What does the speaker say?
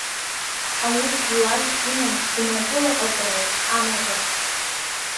Аус злаз иман инапылаҟаҵараз амазара!